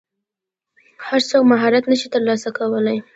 هر څوک مهارت نشي ترلاسه کولی.